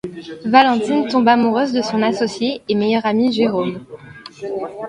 Valentine tombe amoureuse de son associé et meilleur ami Jérôme.